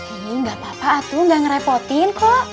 ii gak apa apa atu gak ngerepotin kok